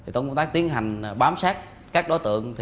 trong công tác tiến hành bám sát các đối tượng